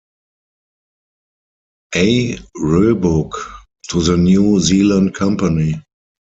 A. Roebuck to the New Zealand Company.